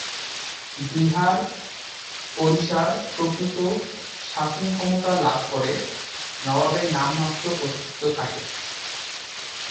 বিহার-ওড়িশার প্রকৃত শাসন ক্ষমতা লাভ করে, নবাবের নামমাত্র অস্তিত্ব থাকে।